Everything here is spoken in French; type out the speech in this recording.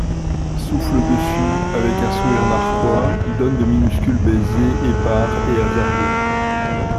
Souffle dessus avec un sourire narquois, donne de minuscules baisers épars et hasardeux…